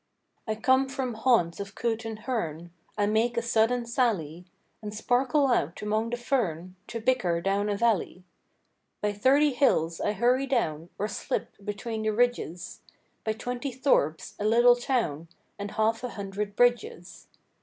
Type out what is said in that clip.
I come from haunts of coot and hern, I make a sudden sally, And sparkle out among the fern, To bicker down a valley. By thirty hills I hurry down, Or slip between the ridges, By twenty thorps, a little town, And half a hundred bridges.